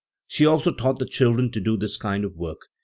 She also taught the children to do this kind of work.